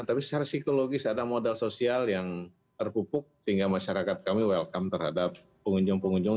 tapi secara psikologis ada modal sosial yang terpupuk sehingga masyarakat kami welcome terhadap pengunjung pengunjung